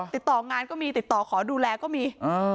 ติดต่องานก็มีติดต่อขอดูแลก็มี